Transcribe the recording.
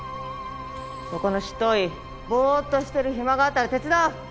そこの執刀医ぼーっとしてる暇があったら手伝う！